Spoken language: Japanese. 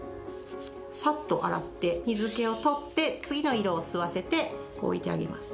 サッと洗って水気を取って次の色を吸わせて置いてあげます。